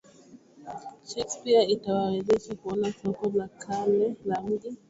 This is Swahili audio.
Shakespeare itawawezesha kuona soko la kale la mji